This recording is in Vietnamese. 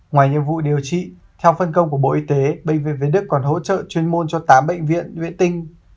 ngoài nhiệm vụ điều trị theo phân công của bộ y tế bệnh viện việt đức còn hỗ trợ chuyên môn cho tám bệnh viện vệ tinh